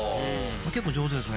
結構上手ですね